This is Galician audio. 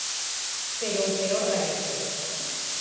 Pero o peor da guerra